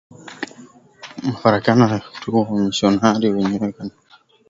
mafarakano tu Wamisionari wenyewe hasa upande wa Uprotestanti waliona